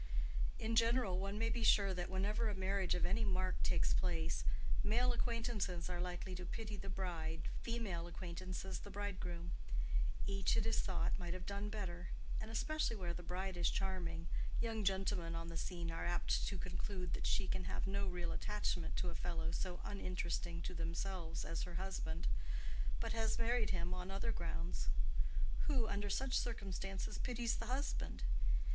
In general, one may be sure that whenever a marriage of any mark takes place, male acquaintances are likely to pity the bride, female acquaintances the bridegroom: each, it is thought, might have done better; and especially where the bride is charming, young gentlemen on the scene are apt to conclude that she can have no real attachment to a fellow so uninteresting to themselves as her husband, but has married him on other grounds. Who, under such circumstances, pities the husband?